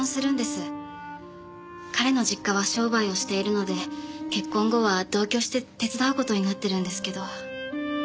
彼の実家は商売をしているので結婚後は同居して手伝う事になってるんですけど。